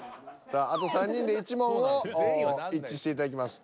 さああと３人で１問を一致していただきます。